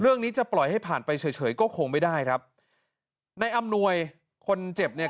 จะปล่อยให้ผ่านไปเฉยเฉยก็คงไม่ได้ครับในอำนวยคนเจ็บเนี่ย